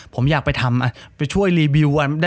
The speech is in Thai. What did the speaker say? ผมอยากไปช่วยรีวิว